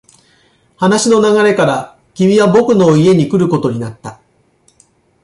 話の流れから、君は僕の家に来ることになった。